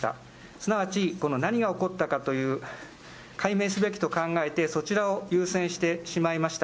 すなわち、何が起こったかという、解明すべきと考えて、そちらを優先してしまいました。